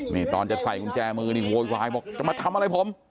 นี่ตอนจะใส่กุญแจมือนี่โวยวายบอกจะมาทำอะไรผม